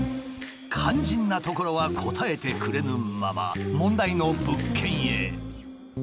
肝心なところは答えてくれぬまま問題の物件へ。